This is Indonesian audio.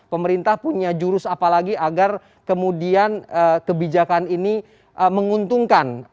pemerintah punya jurus apa lagi agar kemudian kebijakan ini menguntungkan